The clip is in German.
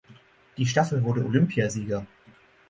Die Staffel wurde Olympiasieger.